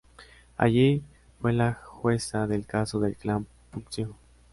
Allí, fue la jueza del caso del clan Puccio.